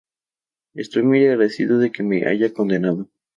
Estoy muy agradecido de que me haya condenado.